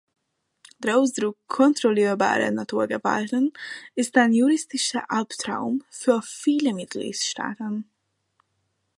Der Ausdruck "kontrollierbare Naturgewalten" ist ein juristischer Albtraum für viele Mitgliedstaaten.